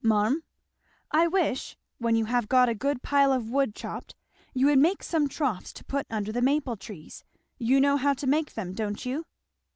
"Marm." "I wish, when you have got a good pile of wood chopped, you would make some troughs to put under the maple trees you know how to make them, don't you?"